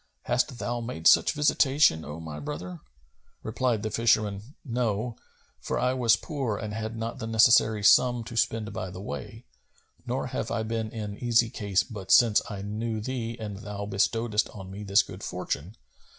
Hast thou made such visitation, O my brother?" Replied the fisherman, "No: for I was poor and had not the necessary sum[FN#258] to spend by the way, nor have I been in easy case but since I knew thee and thou bestowedst on me this good fortune.